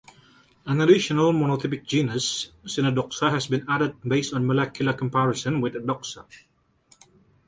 An additional monotypic genus "Sinadoxa" has been added based on molecular comparison with "Adoxa".